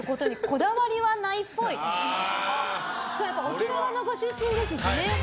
沖縄のご出身ですしね。